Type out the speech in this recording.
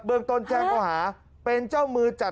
เมืองต้นแจ้งเขาหาเป็นเจ้ามือจัด